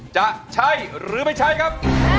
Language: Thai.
จะใช้หรือไม่ใช้ครับ